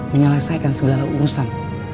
menyelesaikan segala urusan